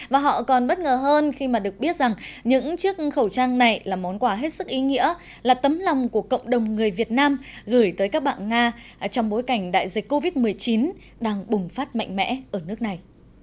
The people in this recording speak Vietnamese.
và họ còn bất ngờ hơn khi mà được biết rằng những chiếc khẩu trang này là món quà hết sức ý nghĩa là tấm lòng của cộng đồng người việt nam gửi tới các bạn nga trong bối cảnh đại dịch covid một mươi chín đang bùng phát mạnh mẽ ở nước này